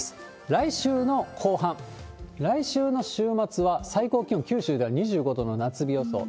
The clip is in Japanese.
来週の後半、来週の週末は、最高気温、九州では２５度の夏日予想。